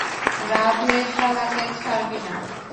রাধে শালাকে ছাড়বি না!